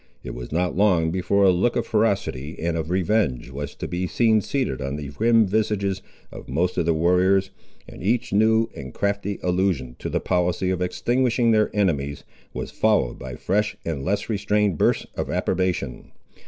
It was not long before a look of ferocity and of revenge was to be seen seated on the grim visages of most of the warriors, and each new and crafty allusion to the policy of extinguishing their enemies, was followed by fresh and less restrained bursts of approbation.